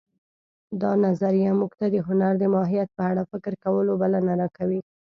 دا نظریه موږ ته د هنر د ماهیت په اړه فکر کولو بلنه راکوي